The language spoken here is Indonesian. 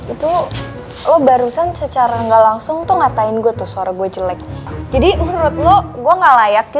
itu lo barusan secara gak langsung tuh ngatain gue tuh suara gue jelek